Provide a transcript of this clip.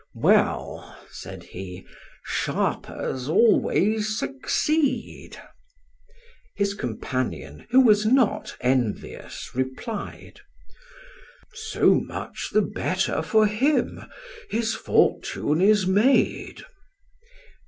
"Well," said he, "sharpers always succeed." His companion, who was not envious, replied: "So much the better for him. His fortune is made."